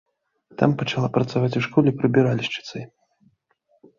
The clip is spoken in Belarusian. Там пачала працаваць у школе прыбіральшчыцай.